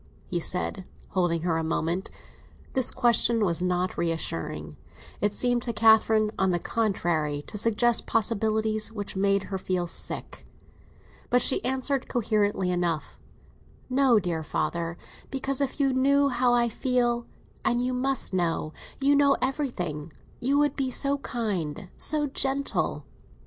he said, holding her a moment. This question was not reassuring; it seemed to Catherine, on the contrary, to suggest possibilities which made her feel sick. But she answered coherently enough—"No, dear father; because if you knew how I feel—and you must know, you know everything—you would be so kind, so gentle."